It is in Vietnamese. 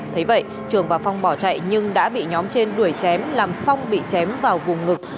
thấy vậy trường và phong bỏ chạy nhưng đã bị nhóm trên đuổi chém làm phong bị chém vào vùng ngực